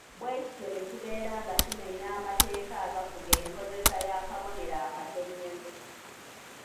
Bwe kityo ne kibeera nga kimenya amateeka agafuga enkozesa y’akabonero akatonnyeze.